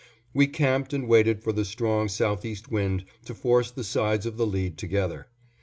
We camped and waited for the strong southeast wind to force the sides of the lead together.